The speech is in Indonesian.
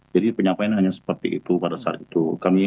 jadi penyampaian hanya seperti itu pada saat itu